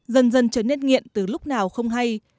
dần dần trở nên nghiện từ lúc nào không hay